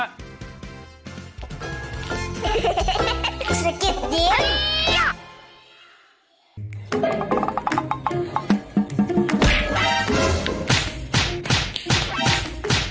เฮ้อจริง